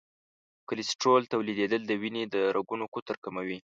د کلسترول تولیدېدل د وینې د رګونو قطر کموي.